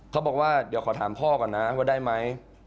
เขาบอกว่าเดี๋ยวขอถามพ่อก่อนนะว่าได้ไหม